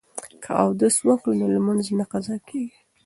که اودس وکړو نو لمونځ نه قضا کیږي.